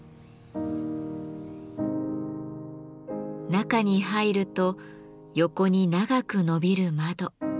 中に入ると横に長くのびる窓。